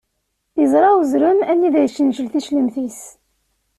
Iẓṛa uzrem anida iccencel ticlemt-is.